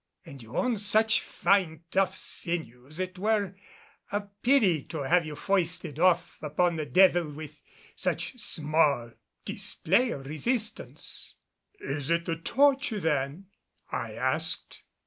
And you own such fine tough sinews it were a pity to have you foisted off upon the devil with such small display of resistance." "It is the torture then?" I asked.